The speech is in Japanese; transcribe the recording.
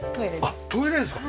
あっトイレですか。